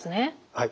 はい。